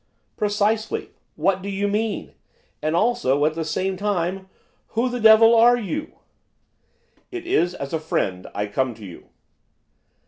'Precisely, what do you mean? And also, and at the same time, who the devil are you?' 'It is as a friend I come to you.